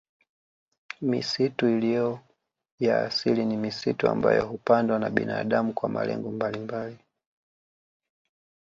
Misitu isiyo ya asili ni misitu ambayo hupandwa na binadamu kwa malengo mbalimbali